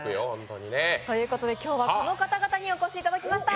ということで今日はこの方々にお越しいただきました。